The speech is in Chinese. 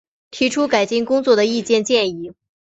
提出改进工作的意见建议